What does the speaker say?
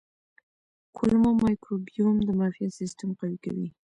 کولمو مایکروبیوم د معافیت سیستم قوي کوي.